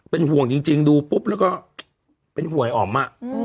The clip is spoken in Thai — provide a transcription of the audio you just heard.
เป็นห่วงจริงดูปุ๊บแล้วก็เป็นห่วงอ๋อมอ่ะ